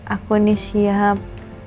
aku ini siap